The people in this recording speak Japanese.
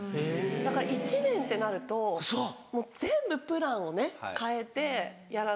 だから１年ってなるともう全部プランをね変えてやらないと。